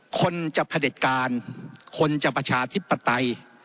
คนจะเผด็จการคนจะประชาธิปไตย